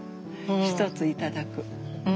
１つ頂く。